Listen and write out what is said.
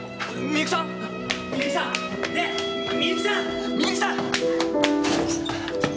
みゆきさん！